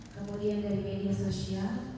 kemudian dari media sosial